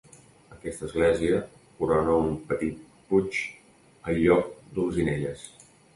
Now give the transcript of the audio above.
Aquesta església corona un petit puig al lloc d'Olzinelles.